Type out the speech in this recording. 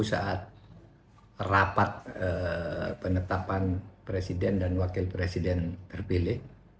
saat rapat penetapan presiden dan wakil presiden terpilih